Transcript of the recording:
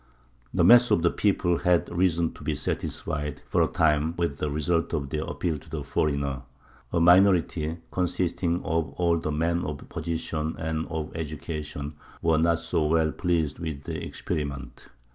The mass of the people had reason to be satisfied, for a time, with the result of their appeal to the foreigner. A minority, consisting of all the men of position and of education, were not so well pleased with the experiment.